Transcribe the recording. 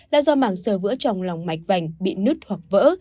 là do mảng sơ vữa trong lòng mạch vành bị nứt hoặc vỡ